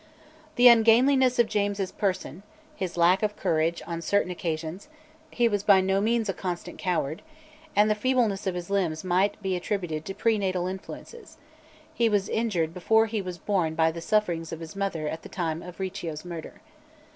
The ungainliness of James's person, his lack of courage on certain occasions (he was by no means a constant coward), and the feebleness of his limbs might be attributed to pre natal influences; he was injured before he was born by the sufferings of his mother at the time of Riccio's murder.